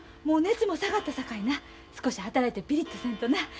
もう熱も下がったさかいな少し働いてピリッとせんとな。